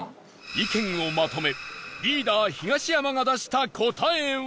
意見をまとめリーダー東山が出した答えは？